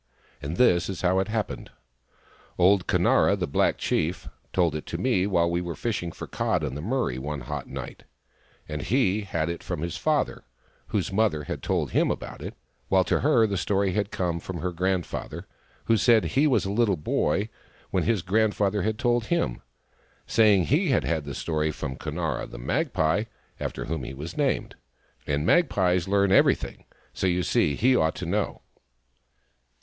And this is how it happened. Old Conara, the black chief, told it to me while we were fishing for cod in the Murray one hot night ; and he had it from his father, whose mother had told him about it ; while to her the story had come from her grand father, who said he was a little boy when his grand father had told him, saying he had had the story from Conara, the magpie, after whom he was named. And the magpies learn everything, so you see he ought to know.